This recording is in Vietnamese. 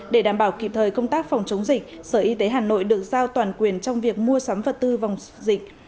để đảm bảo kịp thời công tác phòng chống dịch sở y tế hà nội được giao toàn quyền trong việc mua sắm vật tư vòng dịch